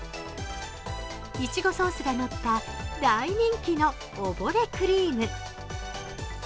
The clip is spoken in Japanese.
いちごソースがのった大人気のおぼれクリーム。